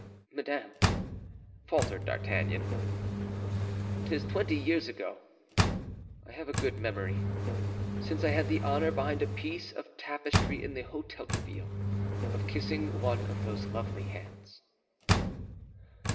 "Madame," faltered D'Artagnan, "'tis twenty years ago—I have a good memory—since I had the honor behind a piece of tapestry in the Hotel de Ville, of kissing one of those lovely hands."